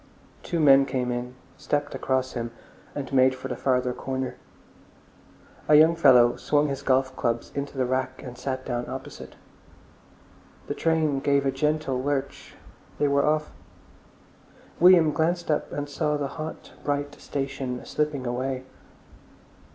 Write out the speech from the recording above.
Two men came in, stepped across him, and made for the farther corner. A young fellow swung his golf clubs into the rack and sat down opposite. The train gave a gentle lurch, they were off. William glanced up and saw the hot, bright station slipping away.